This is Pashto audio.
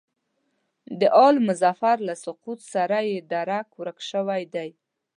د آل مظفر له سقوط سره یې درک ورک شوی دی.